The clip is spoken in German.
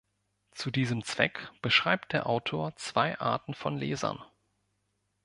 Zu diesem Zweck beschreibt der Autor zwei Arten von Lesern.